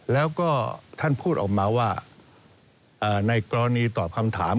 แล้วก็ท่านพูดออกมาว่าในกรณีตอบคำถาม